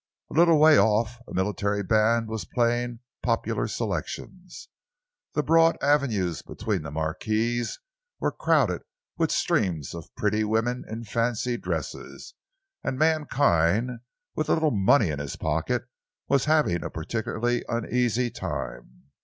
A little way off, a military band was playing popular selections. The broad avenues between the marquees were crowded with streams of pretty women in fancy dresses, and mankind with a little money in his pocket was having a particularly uneasy time.